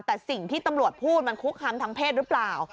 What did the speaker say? แต่สิ่งที่ตำรวจพูดมันคุกคำทางเพศหรือเปล่า